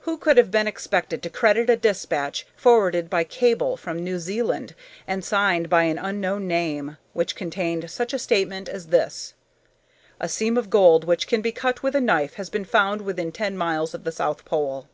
Who could have been expected to credit a despatch, forwarded by cable from New Zealand, and signed by an unknown name, which contained such a statement as this: "A seam of gold which can be cut with a knife has been found within ten miles of the south pole."